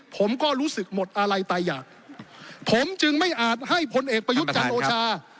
ผมก็รู้สึกหมดอะไรตายอยากผมจึงไม่อาจให้พลเอกประยุทธ์จันทร์โอชา